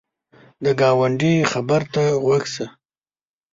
د ګاونډي خبر ته غوږ شه